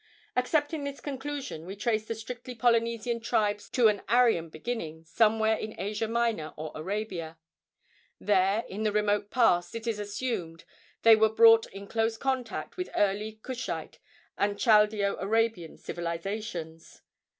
Accepting this conclusion, we trace the strictly Polynesian tribes to an Aryan beginning, somewhere in Asia Minor or Arabia. There, in the remote past, it is assumed, they were brought in close contact with early Cushite and Chaldeo Arabian civilizations.